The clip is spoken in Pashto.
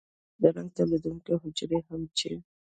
د رنګ تولیدونکي حجرې هم چې